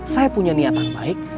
saya punya niatan baik